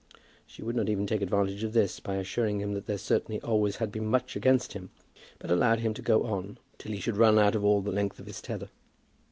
She would not even take advantage of this by assuring him that there certainly always had been much against him, but allowed him to go on till he should run out all the length of his tether.